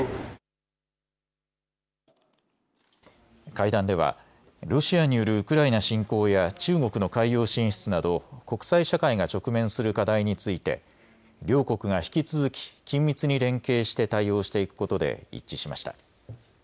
会談ではロシアによるウクライナ侵攻や中国の海洋進出など国際社会が直面する課題について両国が引き続き緊密に連携して対応していくことで一致しました。